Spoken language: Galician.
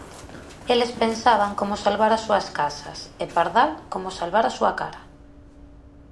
Eles pensaban como salvar as súas casas e Pardal como salvar a súa cara.